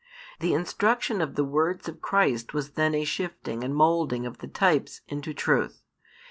The instruction of the words of Christ was then a shifting and moulding of the types into truth.